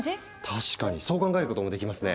確かにそう考えることもできますね。